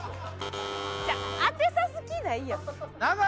ちゃう当てさす気ないやん。